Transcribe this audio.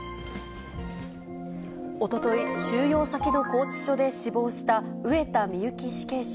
おととい、収容先の拘置所で死亡した上田美由紀死刑囚。